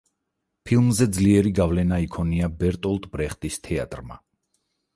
ფილმზე ძლიერი გავლენა იქონია ბერტოლტ ბრეხტის თეატრმა.